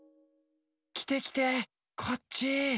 きてきてこっち。